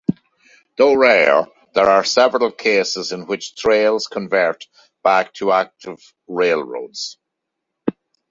Though rare, there are several cases in which trails convert back to active railroads.